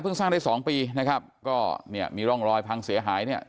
สร้างได้สองปีนะครับก็เนี่ยมีร่องรอยพังเสียหายเนี่ย